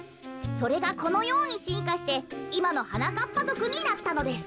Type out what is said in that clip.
それがこのようにしんかしていまのはなかっぱぞくになったのです。